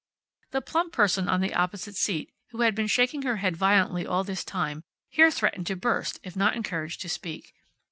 The plump person on the opposite seat, who had been shaking her head violently all this time here threatened to burst if not encouraged to speak.